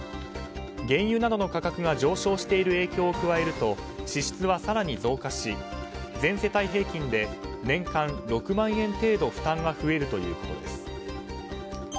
原油などの価格が上昇している影響を加えると支出は更に増加し全世帯平均で年間６万円程度負担が増えるということです。